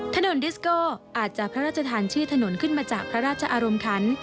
ถนนดิสโก้อาจจะพระราชทานชื่อถนนขึ้นมาจากพระราชอารมณ์คัน